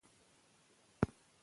د کوچنۍ بریا لمانځل مهم دي.